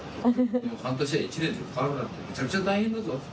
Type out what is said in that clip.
半年や１年で変わろうなんて、めちゃくちゃ大変だぞ。